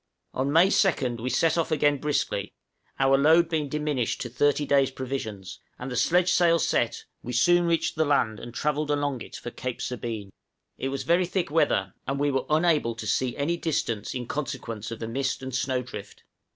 } On May 2nd we set off again briskly; our load being diminished to thirty days' provisions, and the sledge sail set, we soon reached the land, and travelled along it for Cape Sabine; it was very thick weather, and we were unable to see any distance in consequence of the mist and snow drift.